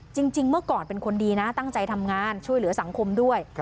จริงเมื่อก่อนเป็นคนดีนะตั้งใจทำงานช่วยเหลือสังคมด้วย